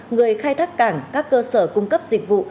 người khai thác cảng các cơ sở cung cấp dịch vụ